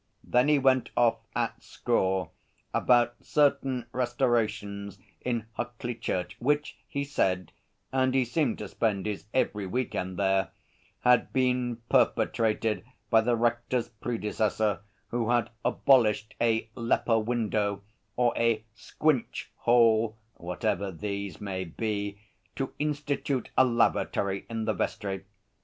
Then he went off at score about certain restorations in Huckley Church which, he said and he seemed to spend his every week end there had been perpetrated by the Rector's predecessor, who had abolished a 'leper window' or a 'squinch hole' (whatever these may be) to institute a lavatory in the vestry.